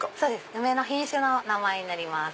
梅の品種の名前になります。